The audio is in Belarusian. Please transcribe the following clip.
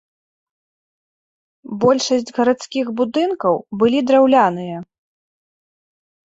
Большасць гарадскіх будынкаў былі драўляныя.